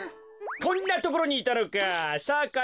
こんなところにいたのか。